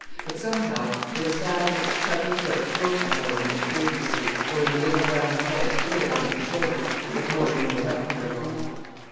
But, somehow, there was that in its chubby foot groping for him in its baby sleep, or in the little round head pillowed on his shoulder, that more than made up for it all.